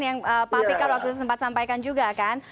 yang pak fikar waktu itu sempat sampaikan juga kan